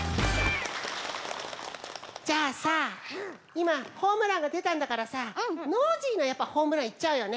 じゃあさいまホームランがでたんだからさノージーのやっぱホームランいっちゃうよね。